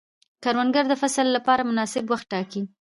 کروندګر د فصل لپاره مناسب وخت ټاکي